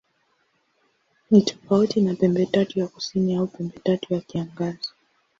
Ni tofauti na Pembetatu ya Kusini au Pembetatu ya Kiangazi.